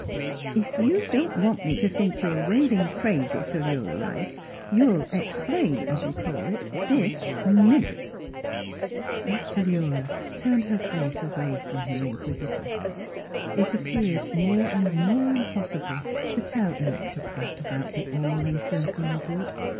" If you don't want me to think you're raving crazy, Philura Rice, you'll explain, as you call it, this minute! " Miss Philura turned her face away from her inquisitor. It appeared more and more impossible to tell Electa Pratt about the All encircling Good.